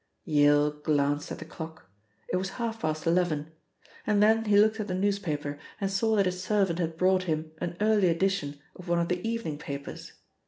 Yale glanced at the clock. It was half past eleven. And then he looked at the newspaper and saw that his servant had brought him an early edition of one of the evening papers.